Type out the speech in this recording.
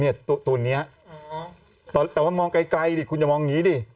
เนี้ยตัวตัวเนี้ยอ๋อแต่ว่ามองไกลไกลดิคุณจะมองอย่างงี้ดิ